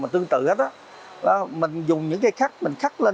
trước khi đưa ra khỏi lò